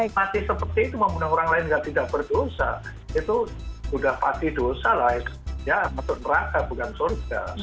ya untuk neraka bukan surga